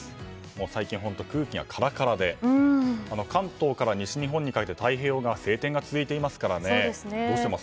最近、本当に空気がカラカラで関東から西日本にかけて太平洋側は晴天が続いてますから。